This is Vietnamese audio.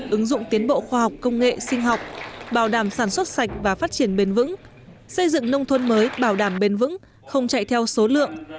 ứng dụng tiến bộ khoa học công nghệ sinh học bảo đảm sản xuất sạch và phát triển bền vững xây dựng nông thôn mới bảo đảm bền vững không chạy theo số lượng